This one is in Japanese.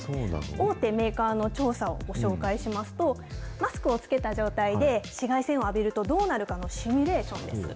大手メーカーの調査をご紹介しますと、マスクを着けた状態で、紫外線を浴びるとどうなるかのシミュレーションです。